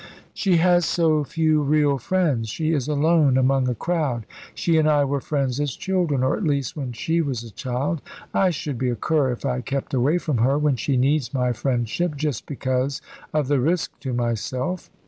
"She has so few real friends. She is alone among a crowd. She and I were friends as children, or at least when she was a child. I should be a cur if I kept away from her, when she needs my friendship, just because of the risk to myself.